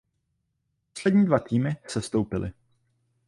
Poslední dva týmy sestoupily.